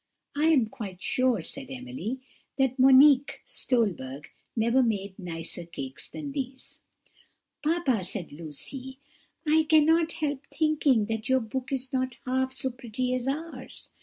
"I am quite sure," said Emily, "that Monique Stolberg never made nicer cakes than these." "Papa," said Lucy, "I cannot help thinking that your book is not half so pretty as ours.